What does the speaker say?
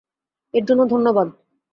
এর জন্য ধন্যবাদ।